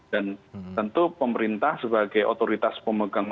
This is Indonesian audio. dan tentu pemerintah sebagai otoritas pemegang